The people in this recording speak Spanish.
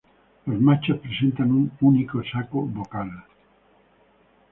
Los machos presentan un único saco vocal.